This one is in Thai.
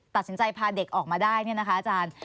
ตัดสินใจพาเด็กออกมาได้นี่นะคะอาจารย์